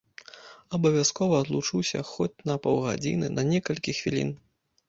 Абавязкова адлучуся хоць на паўгадзіны, на некалькі хвілін.